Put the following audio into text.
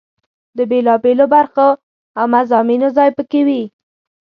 د بېلا بېلو برخو او مضامینو ځای په کې وي.